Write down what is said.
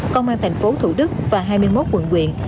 công an tp thủ đức và hai mươi một quận quyện